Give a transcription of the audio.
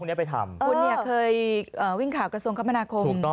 คุณเนี่ยเคยวิ่งข่าวกระทรวงคมนาคม